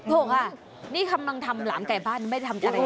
ถูกค่ะนี่เขาบอกว่าทำหลามไก่บ้านไม่ได้ทำอะไรดี